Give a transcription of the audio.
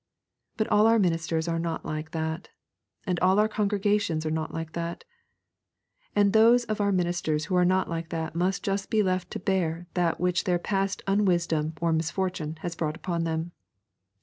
But all our ministers are not like that. And all our congregations are not like that. And those of our ministers who are not like that must just be left to bear that which their past unwisdom or misfortune has brought upon them.